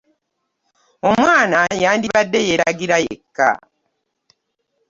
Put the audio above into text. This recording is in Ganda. Omwana yandibadde yeeragira yekka.